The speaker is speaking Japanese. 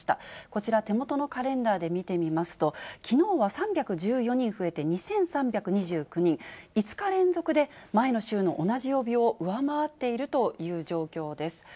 こちら、手元のカレンダーで見てみますと、きのうは３１４人増えて２３２９人、５日連続で、前の週の同じ曜日を上回っているという状況です。